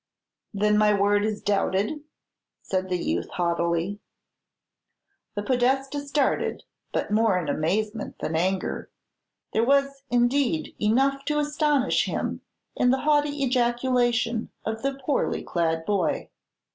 "Then my word is doubted!" said the youth haughtily. The Podestà started, but more in amazement than anger. There was, indeed, enough to astonish him in the haughty ejaculation of the poorly clad boy.